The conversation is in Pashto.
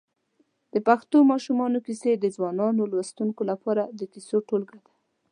د پښتو ماشومانو کیسې د ځوانو لوستونکو لپاره د کیسو ټولګه ده.